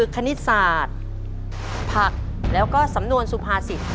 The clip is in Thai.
คณิตศาสตร์ผักแล้วก็สำนวนสุภาษิต